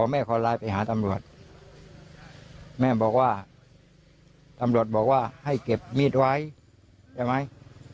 แม่บอกว่าตำรวจบอกว่าให้เก็บมีดไว้ใช่ไหม